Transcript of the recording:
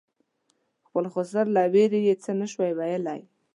خپل خسر له وېرې یې څه نه شو ویلای.